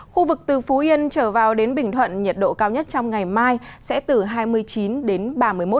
khu vực từ phú yên trở vào đến bình thuận nhiệt độ cao nhất trong ngày mai sẽ từ hai mươi chín đến ba mươi một độ